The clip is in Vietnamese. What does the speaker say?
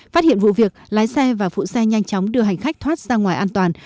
phát hiện vụ việc lái xe và phụ xe nhanh chóng đưa hành khách thoát ra ngoài an toàn